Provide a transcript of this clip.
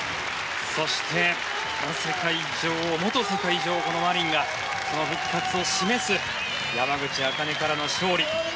そして、元世界女王のマリンがその復活を示す山口茜からの勝利。